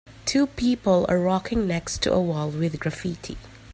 Two people are walking next to a wall with graffiti.